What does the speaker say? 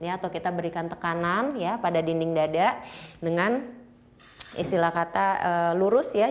atau kita berikan tekanan ya pada dinding dada dengan istilah kata lurus ya